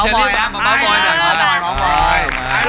ตอนนี้ชินก็หวั่นไง